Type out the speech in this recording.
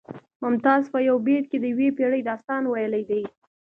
ممتاز په یو بیت کې د یوې پیړۍ داستان ویلی دی